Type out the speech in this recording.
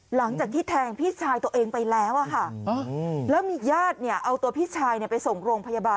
หลังจากที่แทงพี่ชายตัวเองไปแล้วอะค่ะแล้วมีญาติเนี่ยเอาตัวพี่ชายไปส่งโรงพยาบาล